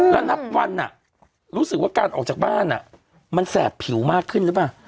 แล้วนับวันรู้สึกว่าการออกจากบ้านมันแสบผิวมากขึ้นหรือเปล่า